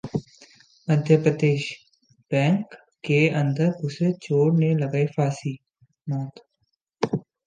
मध्य Pradesh bank के अंदर घुसे चोर ने लगाई फांसी, मौत